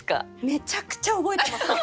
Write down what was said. めちゃくちゃ覚えてますよ。